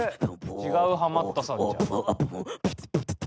違うハマったさんじゃん。